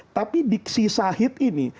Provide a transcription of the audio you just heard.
tapi diksi syahid ini